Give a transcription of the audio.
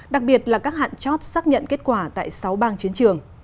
đặc biệt là các hạn chót xác nhận kết quả tại sáu bang chiến trường